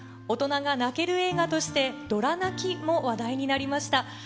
大人が泣ける映画として、ドラ泣きも話題になりました。